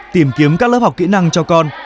tìm kiếm các lớp học kỹ năng cho con